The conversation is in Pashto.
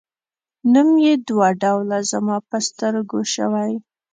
نوم یې دوه ډوله زما په سترګو شوی.